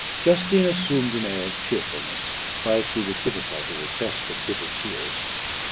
Justine assumed an air of cheerfulness, while she with difficulty repressed her bitter tears.